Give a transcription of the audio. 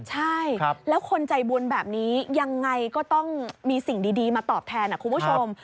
ใช่แล้วคนใจบุญแบบนี้ยังไงก็ต้องมีสิ่งดีมาตอบแทนคุณผู้ชม